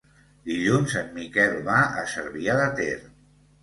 Dilluns en Miquel va a Cervià de Ter.